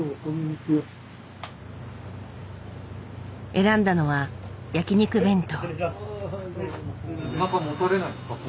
選んだのは焼肉弁当。